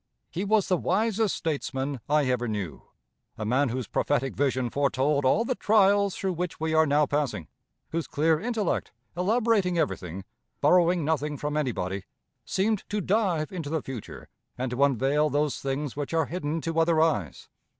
He was the wisest statesman I ever knew a man whose prophetic vision foretold all the trials through which we are now passing; whose clear intellect, elaborating everything, borrowing nothing from anybody, seemed to dive into the future, and to unveil those things which are hidden to other eyes.